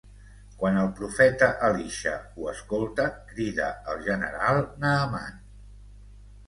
Quan el profeta Elisha ho escolta, crida al general Naaman.